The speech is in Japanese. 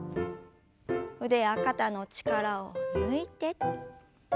腕や肩の力を抜いて。